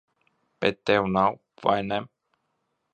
Bet tev nav, vai ne?